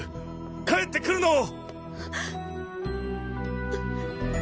帰って来るのを！